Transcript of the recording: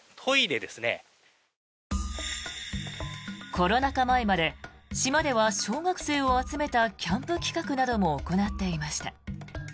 コロナ禍前まで島では小学生を集めたキャンプ企画なども行っていました。